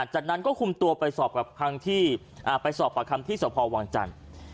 จากนั้นก็คุมตัวไปสอบประคัมที่สพวังจันทร์